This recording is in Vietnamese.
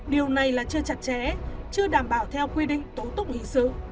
điều này là chưa chặt chẽ chưa đảm bảo theo quy định tố tụng hình sự